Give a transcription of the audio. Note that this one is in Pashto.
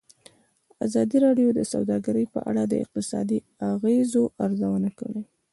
ازادي راډیو د سوداګري په اړه د اقتصادي اغېزو ارزونه کړې.